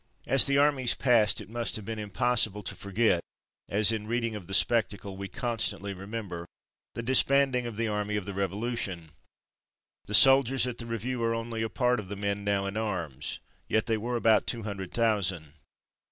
As the armies passed it must have been impossible to forget as in reading of the spectacle we constantly remember the disbanding of the army of the Revolution. The soldiers at the review are only a part of the men now in arms, yet they were about two hundred thousand.